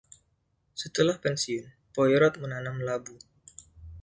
Setelah pensiun, Poirot menanam labu.